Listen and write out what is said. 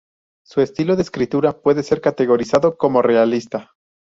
Su estilo de escritura puede ser categorizado como realista.